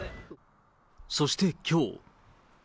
そしてきょう。